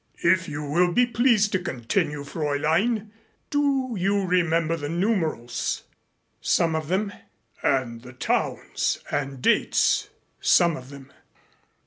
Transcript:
"If you will be pleased to continue, Fräulein. Do you remember the numerals?" "Some of them." "And the towns and dates?" "Some of them."